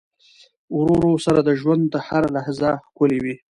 ورور سره د ژوند هره لحظه ښکلي وي.